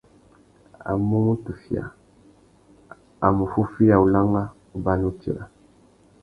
A mà mù tufia, a mù fúffüiya ulangha, ubana, utira.